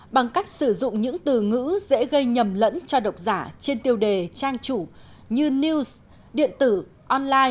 bằng cách sử dụng những từ ngữ dễ gây nhầm lẫn cho độc giả trên tiêu đề trang chủ như news điện tử online